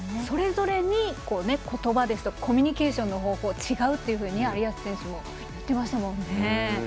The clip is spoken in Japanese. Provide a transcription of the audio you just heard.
それぞれに言葉ですとかコミュニケーションの方法が違うっていうふうに有安選手も言ってましたものね。